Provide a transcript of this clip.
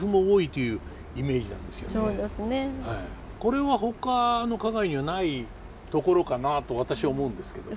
これはほかの花街にはないところかなと私思うんですけど。